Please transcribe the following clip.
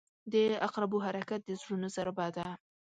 • د عقربو حرکت د زړونو ضربه ده.